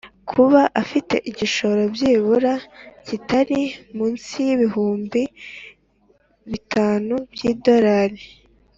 kuba afite igishoro byibura kitari munsi yibihumbi bitanu by’idorali